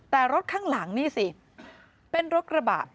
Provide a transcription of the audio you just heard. แต่รถข้างหลังนี่สิเป็นรถกระบะ